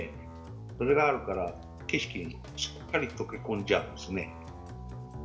それがあるから、景色にしっかり溶け込んじゃうんですね。